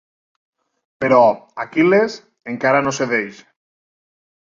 Però Aquil·les encara no cedeix.